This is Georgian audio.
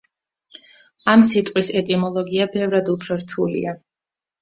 ამ სიტყვის ეტიმოლოგია ბევრად უფრო რთულია.